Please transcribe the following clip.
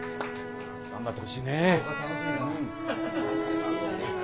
頑張ってほしいね。